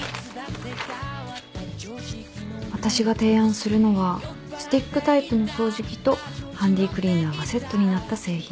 「私が提案するのはスティックタイプの掃除機とハンディークリーナーがセットになった製品です」